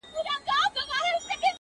چي د کم موږک په نس کي مي غمی دی,